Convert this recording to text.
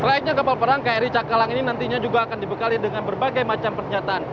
selainnya kapal perang kri cakalang ini nantinya juga akan dibekali dengan berbagai macam pernyataan